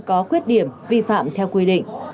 có khuyết điểm vi phạm theo quy định